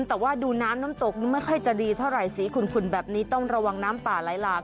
แต่ว่าดูน้ำน้ำตกไม่ค่อยจะดีเท่าไหร่สีขุ่นแบบนี้ต้องระวังน้ำป่าไหลหลาก